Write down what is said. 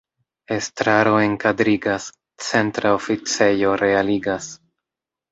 Estraro enkadrigas, centra oficejo realigas.